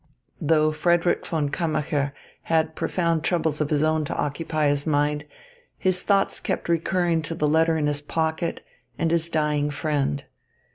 Though Frederick von Kammacher had profound troubles of his own to occupy his mind, his thoughts kept recurring to the letter in his pocket and his dying friend.